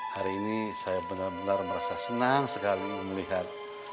hari ini saya benar benar merasa senang sekali melihat